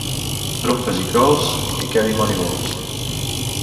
Trumfes i cols i què dimoni vols!